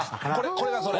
これがそれ？